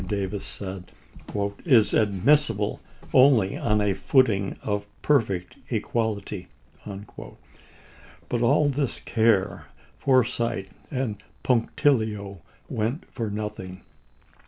8' Davis said, " is admissible only on a footing of the states.' perfect equality." But all this care, foresight, and p Vso." punctilio went for nothing.